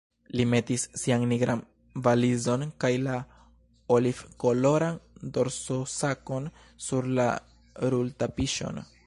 Li metis sian nigran valizon kaj la olivkoloran dorsosakon sur la rultapiŝon.